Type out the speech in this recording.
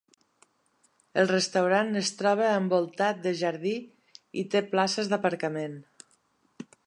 El restaurant es troba envoltat de jardí i té places d'aparcament.